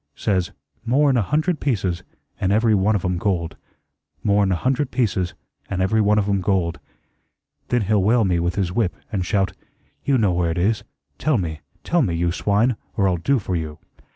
Says 'More'n a hundred pieces, an' every one of 'em gold. More'n a hundred pieces, an' every one of 'em gold.' Then he'll whale me with his whip, and shout, 'You know where it is. Tell me, tell me, you swine, or I'll do for you.'